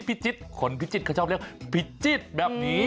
พิจิตรคนพิจิตรเขาชอบเรียกพิจิตรแบบนี้